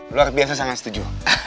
luar biasa sangat setuju